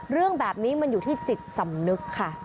เรื่องแบบนี้มันอยู่ที่จิตสำนึกค่ะ